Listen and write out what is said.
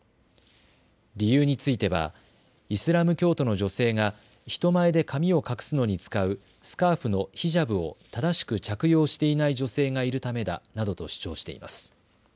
理由についてはイスラム教徒の女性が人前で髪を隠すのに使うスカーフのヒジャブを正しく着用していない女性がいるためだなどと主張しています。